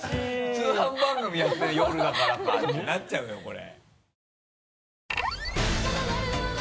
通販番組やってる夜だからかってなっちゃうよこれ。